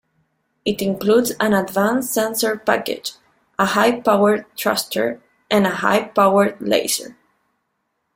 It includes an advanced sensor package, a high-powered thruster, and a high-powered laser.